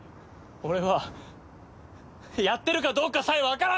俺はやってるかどうかさえ分からない！